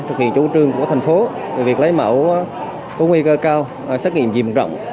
thực hiện chủ trương của thành phố về việc lấy mẫu có nguy cơ cao xét nghiệm dìm rộng